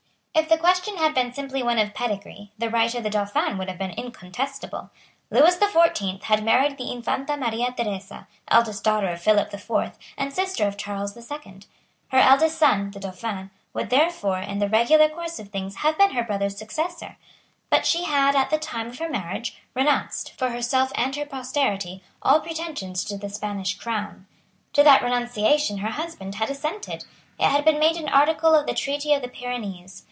If the question had been simply one of pedigree, the right of the Dauphin would have been incontestable. Lewis the Fourteeenth had married the Infanta Maria Theresa, eldest daughter of Philip the Fourth and sister of Charles the Second. Her eldest son, the Dauphin, would therefore, in the regular course of things, have been her brother's successor. But she had, at the time of her marriage, renounced, for herself and her posterity, all pretensions to the Spanish crown. To that renunciation her husband had assented. It had been made an article of the Treaty of the Pyrenees.